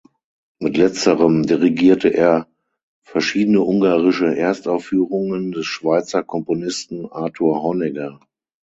Mit letzterem dirigierte er verschiedene ungarische Erstaufführungen des Schweizer Komponisten Arthur Honegger.